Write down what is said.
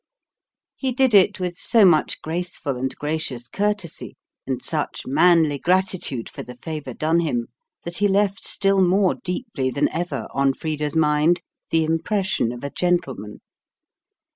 He did it with so much graceful and gracious courtesy, and such manly gratitude for the favour done him, that he left still more deeply than ever on Frida's mind the impression of a gentleman.